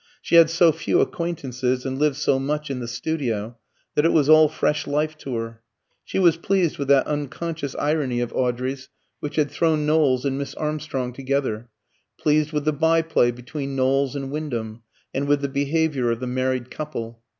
She had so few acquaintances and lived so much in the studio, that it was all fresh life to her. She was pleased with that unconscious irony of Audrey's which had thrown Knowles and Miss Armstrong together; pleased with the by play between Knowles and Wyndham, and with the behaviour of the married couple.